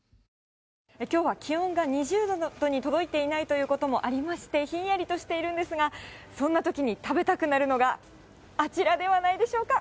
きょうは気温が２０度に届いていないということもありまして、ひんやりとしているんですが、そんなときに食べたくなるのが、あちらではないでしょうか。